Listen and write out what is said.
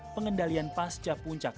pengendalian pasca puncak